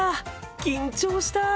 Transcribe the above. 緊張した。